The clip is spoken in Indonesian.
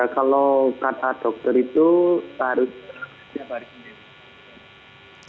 kalau kata dokter itu harus setiap hari